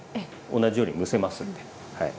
同じように蒸せますんではい。